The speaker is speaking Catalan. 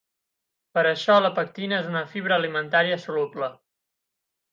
Per això la pectina és una fibra alimentària soluble.